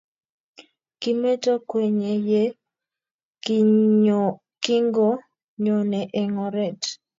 Kimeto kwenye ye kingonyone eng oret,